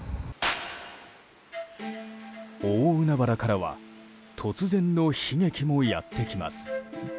大海原からは突然の悲劇もやってきます。